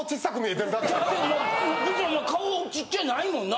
別にお前顔ちっちゃないもんな。